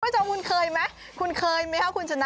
เจ้าวุ้นเคยไหมคุณเคยไหมครับคุณชนะ